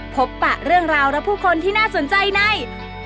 ปะเรื่องราวและผู้คนที่น่าสนใจใน